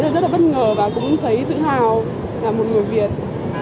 rất là bất ngờ và cũng thấy tự hào là một người việt